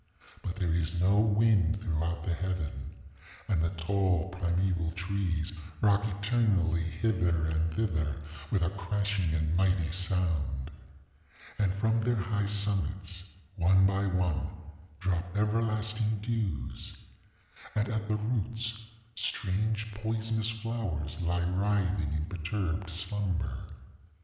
But there is no wind throughout the heaven. And the tall primeval trees rock eternally hither and thither with a crashing and mighty sound. And from their high summits, one by one, drop everlasting dews. And at the roots strange poisonous flowers lie writhing in perturbed slumber.